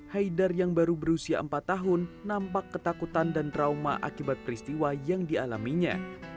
haidar yang baru berusia empat tahun nampak ketakutan dan trauma akibat peristiwa yang dialaminya